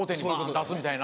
出すみたいな。